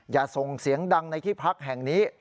อย่าส่งเสียงดังในที่พักแห่งนี้